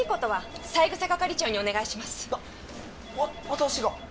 私が？